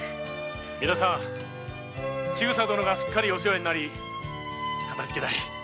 皆さん千草殿がすっかりお世話になりかたじけない。